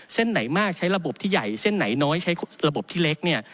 เส้นไหนมากใช้ระบบที่ใหญ่เส้นไหนน้อยใช้ระบบที่เล็กเนี่ย